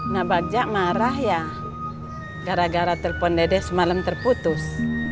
nabagja marah ya gara gara telepon dede semalam terputus